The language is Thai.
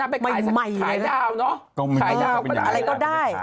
หมายนะคะให้ขายเท่าเนอะอะไรก็ได้